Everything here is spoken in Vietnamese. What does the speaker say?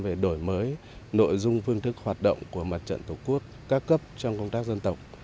về đổi mới nội dung phương thức hoạt động của mặt trận tổ quốc ca cấp trong công tác dân tộc